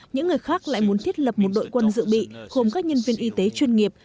những người khác lại muốn thiết lập một đội quân dự bị gồm các nhân viên y tế chuyên nghiệp